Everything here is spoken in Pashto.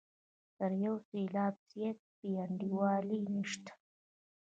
تر یو سېلاب زیاته بې انډولي نشته.